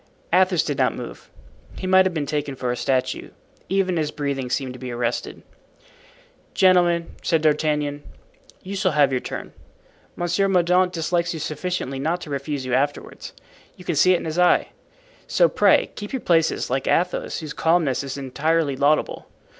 Athos did not move. He might have been taken for a statue. Even his breathing seemed to be arrested. "Gentlemen," said D'Artagnan, "you shall have your turn. Monsieur Mordaunt dislikes you sufficiently not to refuse you afterward. You can see it in his eye. So pray keep your places, like Athos, whose calmness is entirely laudable.